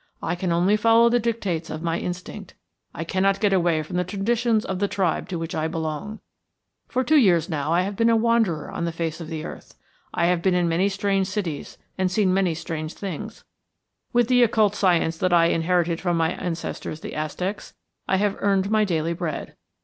I can only follow the dictates of my instinct. I cannot get away from the traditions of the tribe to which I belong. For two years now I have been a wanderer on the face of the earth; I have been in many strange cities and seen many strange things; with the occult science that I inherited from my ancestors, the Aztecs, I have earned my daily bread.